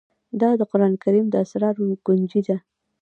دا د قرآن کريم د اسرارو كونجي ده